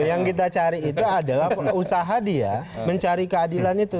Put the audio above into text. yang kita cari itu adalah usaha dia mencari keadilan itu